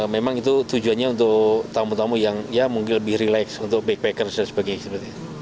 memang itu tujuannya untuk tamu tamu yang ya mungkin lebih relax untuk backpackers dan sebagainya